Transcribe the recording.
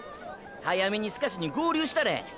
早めにスカシに合流したれ。